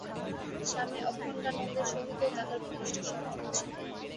স্বামী অখণ্ডানন্দের সহিতও তাঁহার ঘনিষ্ঠ সম্বন্ধ ছিল।